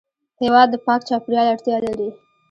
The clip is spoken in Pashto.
هېواد د پاک چاپېریال اړتیا لري.